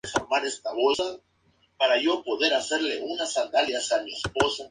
Fue la mejor adaptación de la novela de Jack London.